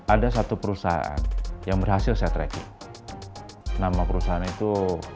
ada satu perusahaan yang berhasil saya tracking nama perusahaan itu